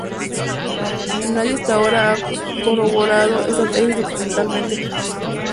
Nadie hasta ahora ha corroborado esta tesis documentalmente.